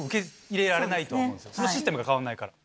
システムが変わらないから。